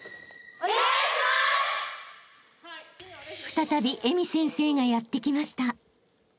［再びＥＭＩ先生がやって来ました］